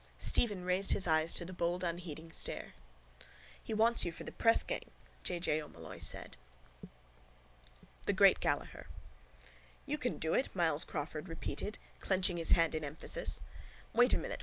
Stephen raised his eyes to the bold unheeding stare. —He wants you for the pressgang, J. J. O'Molloy said. THE GREAT GALLAHER —You can do it, Myles Crawford repeated, clenching his hand in emphasis. Wait a minute.